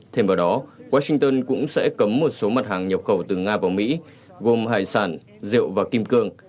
thêm vào đó washington cũng sẽ cấm một số mặt hàng nhập khẩu từ nga vào mỹ gồm hải sản rượu và kim cương